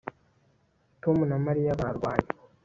Tom na Mariya barwanye